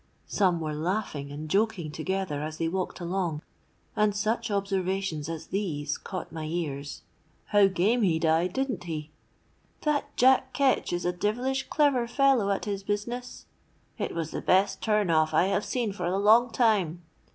Some were laughing and joking together as they walked along; and such observations as these caught my ears:—'How game he died, didn't he?'—'That Jack Ketch is a devilish clever fellow at his business!'—'It was the best turnoff I have seen for a long time.'